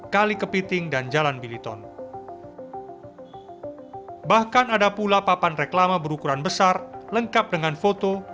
kali kepiting dan jalan biliton bahkan ada pula papan reklama berukuran besar lengkap dengan foto